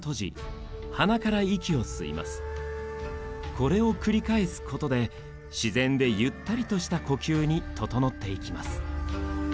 これを繰り返すことで自然でゆったりとした呼吸に整っていきます。